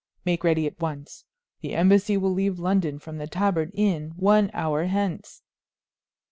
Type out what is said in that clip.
Make ready at once. The embassy will leave London from the Tabard Inn one hour hence."